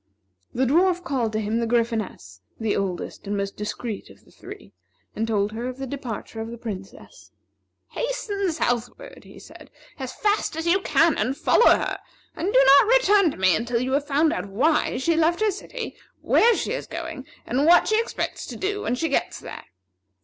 The Dwarf called to him the Gryphoness, the oldest and most discreet of the three, and told her of the departure of the Princess. "Hasten southward," he said, "as fast as you can, and follow her, and do not return to me until you have found out why she left her city, where she is going, and what she expects to do when she gets there.